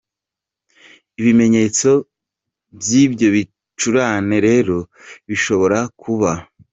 Ibimenyetso by’ibyo bicurane rero bishobora kuba:.